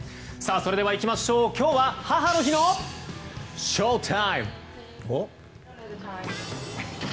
それではいきましょう、今日は母の日のショータイム！